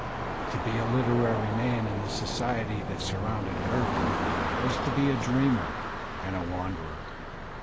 To be a literary man in the society that sur rounded Irving was to be a dreamer and wanderer.